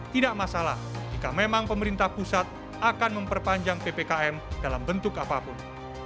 tidak masalah jika memang pemerintah pusat akan memperpanjang ppkm dalam bentuk apapun